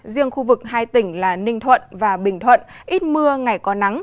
riêng khu vực hai tỉnh là ninh thuận và bình thuận ít mưa ngày có nắng